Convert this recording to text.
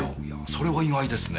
それは意外ですね。